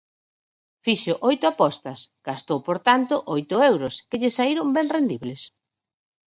Fixo oito apostas, gastou por tanto oito euros, que lle saíron ben rendibles.